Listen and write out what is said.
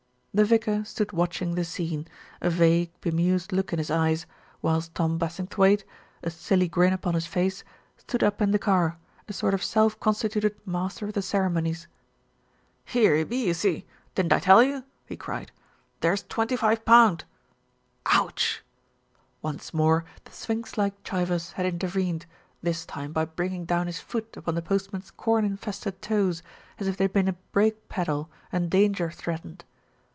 The vicar stood watching the scene, a vague, be mused look in his eyes, whilst Tom Bassingthwaighte, a silly grin upon his face, stood up in the car, a sort of self constituted master of the ceremonies. THE UNMASKING OF SMITH 325 "Here he be, you see. Didn't I tell you?" he cried. "There's twenty five pound Ouch!" Once more the sphinx like Chivers had intervened, this time by bringing down his foot upon the postman's corn infested toes, as if they had been a brake pedal and danger threatened.